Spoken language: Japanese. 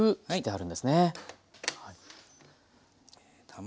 はい。